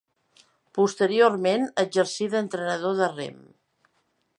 Posteriorment exercí d'entrenador de rem.